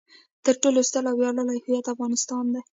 تر ټولو ستر او ویاړلی هویت افغانستان دی.